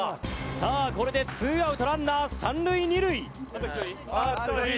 さあこれでツーアウトランナー三塁二塁。